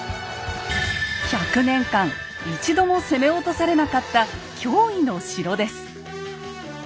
１００年間一度も攻め落とされなかった驚異の城です。